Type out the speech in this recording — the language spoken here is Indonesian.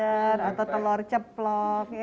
telur dadar atau telur ceplok ya